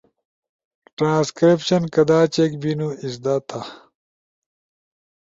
ٹرانسکربشن کدا چیک بینو، ازدا تھا